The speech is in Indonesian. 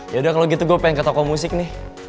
ya udah kalo gitu gua pengen ke toko musik nih